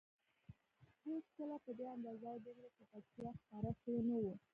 هېڅکله په دې اندازه او دومره چټکتیا خپاره شوي نه وو.